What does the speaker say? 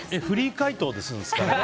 フリー回答ですか。